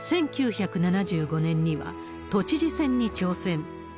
１９７５年には都知事選に挑戦。